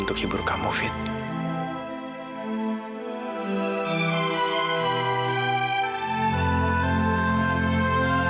untuk hibur kamu vita